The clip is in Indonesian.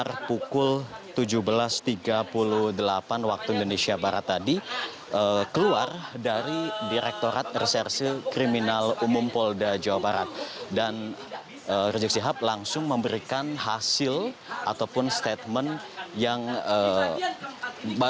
rizik shihab berkata